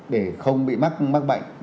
để không bị mắc bệnh